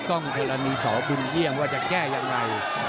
กล้องเทลานีสอบุญเยี่ยมว่าจะแก้ยังไง